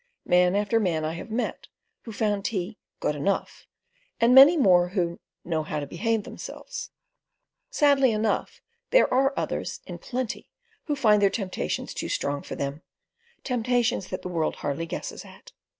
Man after man I have met who found tea "good enough," and many more who "know how to behave themselves." Sadly enough, there are others in plenty who find their temptations too strong for them—temptations that the world hardly guesses at.